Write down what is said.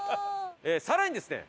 さらにですね